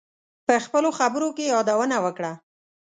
په خپلو خبرو کې یادونه وکړه.